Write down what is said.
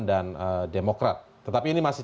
dan demokrat tetapi ini masih